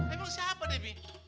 emang siapa debbie